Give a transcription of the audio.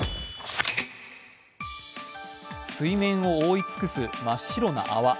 水面を覆い尽くす真っ白な泡。